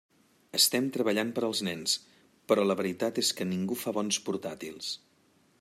Estem treballant per als nens, però la veritat és que ningú fa bons portàtils.